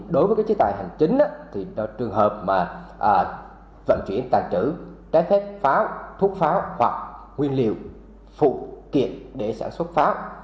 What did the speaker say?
đối với chế tài hành chính thì trường hợp mà vận chuyển tàn trữ trái phép pháo thuốc pháo hoặc nguyên liệu phụ kiện để sản xuất pháo